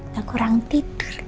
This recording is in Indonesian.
gak kurang tidur